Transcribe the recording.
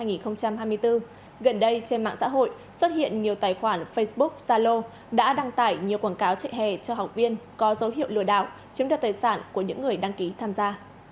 gần đây trên mạng xã hội xuất hiện nhiều tài khoản facebook zalo đã đăng tải nhiều quảng cáo chạy hè cho học viên có dấu hiệu lừa đảo chiếm đoạt tài sản của những người đăng ký tham gia